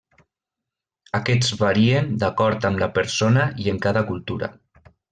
Aquests varien d'acord amb la persona i en cada cultura.